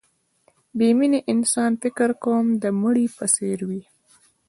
بې مینې انسان فکر کوم د مړي په څېر وي